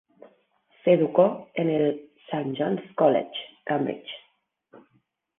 Se educó en el St John's College, Cambridge.